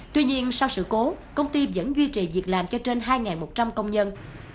tuy nhiên sau sự cố công ty vẫn duy trì việc làm cho trên hai một trăm linh công nhân